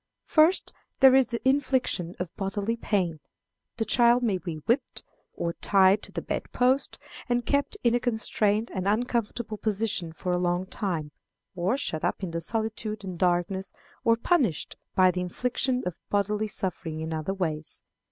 First, there is the infliction of bodily pain. The child may be whipped, or tied to the bed post, and kept in a constrained and uncomfortable position for a long time, or shut up in solitude and darkness, or punished by the infliction of bodily suffering in other ways.